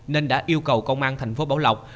nên đã yêu cầu công an thành phố bảo lộc